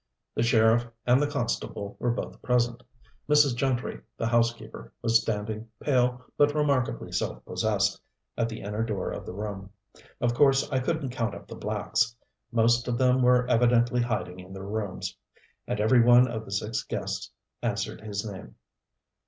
The sheriff and the constable were both present, Mrs. Gentry, the housekeeper, was standing, pale but remarkably self possessed, at the inner door of the room. Of course I couldn't count up the blacks. Most of them were evidently hiding in their rooms. And every one of the six guests answered his name.